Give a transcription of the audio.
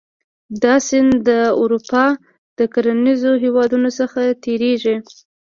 دا سیند د اروپا د کرنیزو هېوادونو څخه تیریږي.